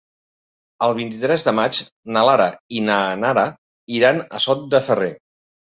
El vint-i-tres de maig na Lara i na Nara iran a Sot de Ferrer.